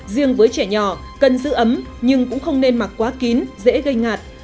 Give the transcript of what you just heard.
riêng với trẻ nhỏ cần giữ ấm nhưng cũng không nên mặc quá kín dễ gây ngạt